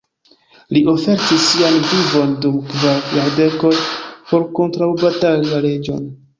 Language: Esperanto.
Li ofertis sian vivon dum kvar jardekoj por kontraŭbatali la leĝon.